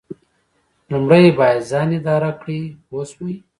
لومړی باید ځان اداره کړئ پوه شوې!.